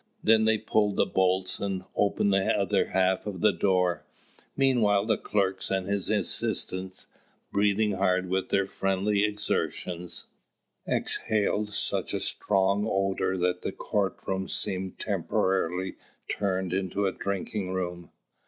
Then they pulled the bolts, and opened the other half of the door. Meanwhile the clerk and his assistant, breathing hard with their friendly exertions, exhaled such a strong odour that the court room seemed temporarily turned into a drinking room.